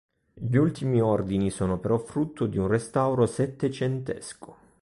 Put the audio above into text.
Gli ultimi ordini sono però frutto di un restauro settecentesco.